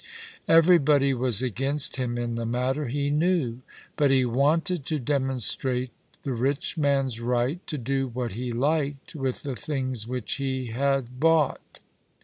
Everybody was against him in the matter, he knew; but he wanted to demonstrate the rich man's right to do what he liked with the things which he had bought.